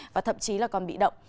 và thậm chí còn bị động